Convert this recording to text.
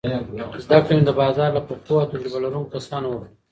زده کړه مې د بازار له پخو او تجربه لرونکو کسانو وکړه.